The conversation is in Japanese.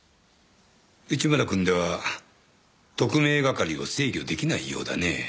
内村くんでは特命係を制御出来ないようだね。